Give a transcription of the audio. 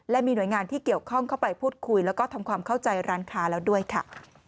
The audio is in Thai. และมีหน่วยงานที่เกี่ยวข้องเข้าไปพูดคุยแล้วก็ทำความเข้าใจร้านค้าแล้วด้วยค่ะ